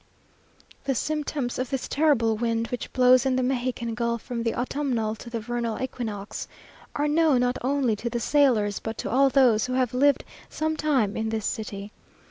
The symptoms of this terrible wind, which blows in the Mexican Gulf, from the autumnal to the vernal equinox, are known not only to the sailors, but to all those who have lived some time in this city.